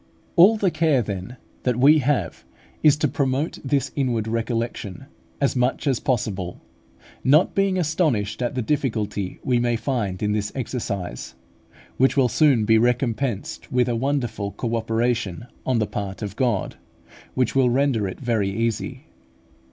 All the care, then, that we need have is to promote this inward recollection as much as possible, not being astonished at the difficulty we may find in this exercise, which will soon be recompensed with a wonderful co operation on the part of God, which will render it very easy.